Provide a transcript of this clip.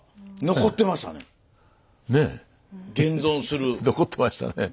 残ってましたね。